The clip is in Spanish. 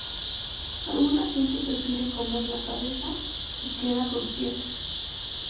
Alguna gente prefiere comer la cabeza, que queda crujiente.